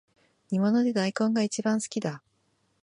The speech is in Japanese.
煮物で大根がいちばん好きだ